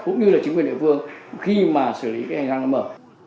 cũng như là chính quyền địa phương khi mà xử lý cái hành động đối mở